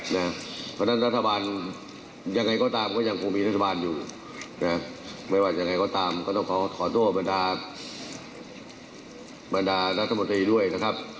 เพราะฉะนั้นรัฐบาลยังไงก็ตามก็ยังคงมีรัฐบาลอยู่ไม่ว่ายังไงก็ตามก็ต้องขอโทษบรรดาบรรดารัฐมนตรีด้วยนะครับ